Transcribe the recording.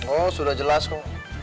oh sudah jelas kok